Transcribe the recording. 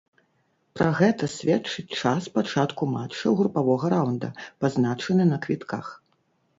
Пра гэта сведчыць час пачатку матчаў групавога раўнда, пазначаны на квітках.